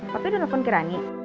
papi udah nelfon kirani